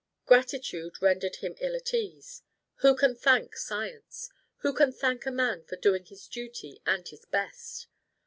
Gratitude rendered him ill at ease: who can thank Science? Who can thank a man for doing his duty and his best?